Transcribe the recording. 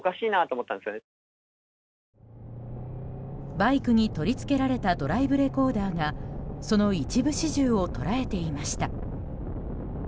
バイクに取り付けられたドライブレコーダーがその一部始終を捉えていました。